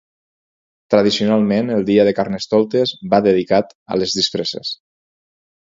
Tradicionalment el dia de Carnestoltes va dedicat a les disfresses.